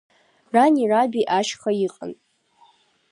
Ран раби ашьха иҟан.